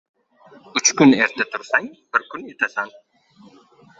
• Uch kun erta tursang — bir kun yutasan.